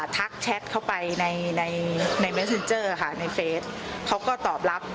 ทักแชทเขาไปในเฟสเขาก็ตอบรับ